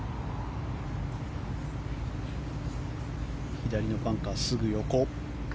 左のバンカーがすぐ横。